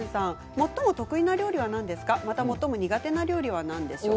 最も得意な料理は何ですか最も苦手な料理は何でしょう。